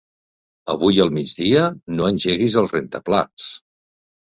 Avui al migdia no engeguis el rentaplats.